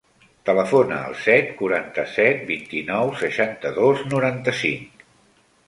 Telefona al set, quaranta-set, vint-i-nou, seixanta-dos, noranta-cinc.